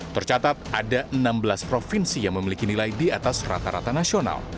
tercatat ada enam belas provinsi yang memiliki nilai di atas rata rata nasional